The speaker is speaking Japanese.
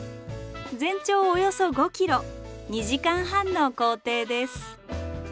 全長およそ５ｋｍ２時間半の行程です。